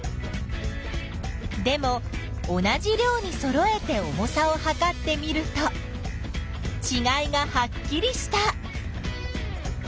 でも同じ量にそろえて重さをはかってみるとちがいがはっきりした。